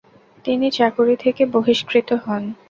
তিনি চাকুরী থেকে বহিষ্কৃত হন।